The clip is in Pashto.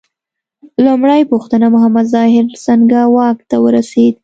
لومړۍ پوښتنه: محمد ظاهر څنګه واک ته ورسېد؟